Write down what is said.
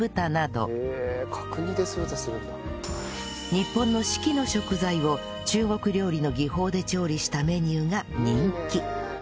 日本の四季の食材を中国料理の技法で調理したメニューが人気